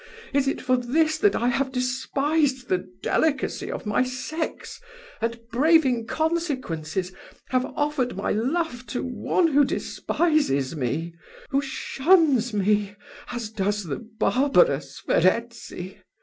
is it for this that I have despised the delicacy of my sex, and, braving consequences, have offered my love to one who despises me who shuns me, as does the barbarous Verezzi?